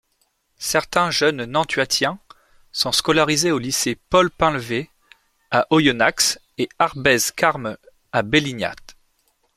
Certains jeunes nantuatiens sont scolarisés aux lycées Paul-Painlevé à Oyonnax et Arbez-Carme à Bellignat.